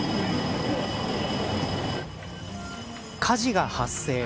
火事が発生。